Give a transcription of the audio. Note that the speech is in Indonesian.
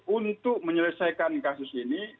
untuk menyelesaikan kasus ini